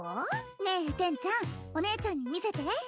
ねえテンちゃんお姉ちゃんに見せて。